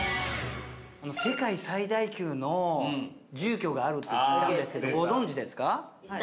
世界最大級の住居があるって聞いたんですけどご存じですか？